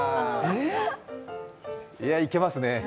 いけますね。